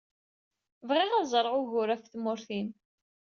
Bɣiɣ ad ẓṛeɣ ugar ɣef tmurt-im.